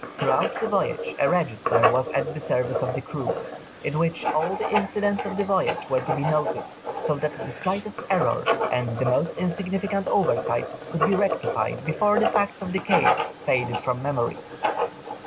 Throughout the voyage a register was at the service of the crew, in which all the incidents of the voyage were to be noted, so that the slightest errors, and the most insignificant oversights could be rectified before the facts of the case faded from memory.